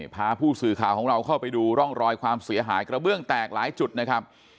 พาผู้สื่อข่าวของเราเข้าไปดูร่องรอยความเสียหายกระเบื้องแตกหลายจุดนะครับ